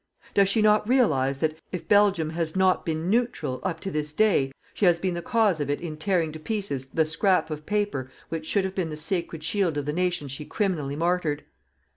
Does she not realize that if Belgium has not been neutral up to this day, she has been the cause of it in tearing to pieces the scrap of paper which should have been the sacred shield of the nation she criminally martyred?